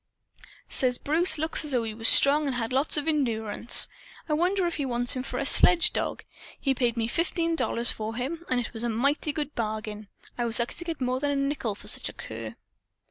Says Bruce looks as if he was strong and had lots of endurance. I wonder if he wants him for a sledge dog. He paid me fifteen dollars for him; and it was a mighty good bargain. I was lucky to get more than a nickel for such a cur."